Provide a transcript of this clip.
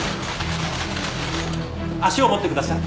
足を持ってください。